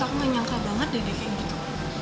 aku gak nyangka banget deh dia kayak gitu